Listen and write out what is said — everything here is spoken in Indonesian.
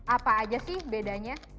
apa aja sih bedanya